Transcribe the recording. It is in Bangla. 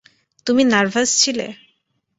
তুমি নার্ভাস ছিলে?